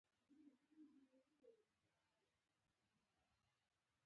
دا صنعتونه د خلکو د ژوند سطحه لوړوي.